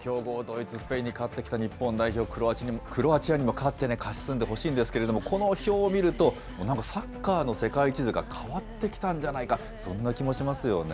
強豪ドイツ、スペインに勝ってきた日本代表、クロアチアにも勝って勝ち進んでほしいんですけれども、この表を見ると、なんか、サッカーの世界地図が変わってきたんじゃないか、そんな気もしますよね。